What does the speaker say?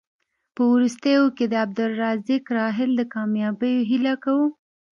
په وروستیو کې د عبدالرزاق راحل د کامیابیو هیله کوو.